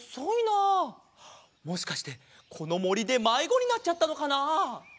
もしかしてこのもりでまいごになっちゃったのかなあ。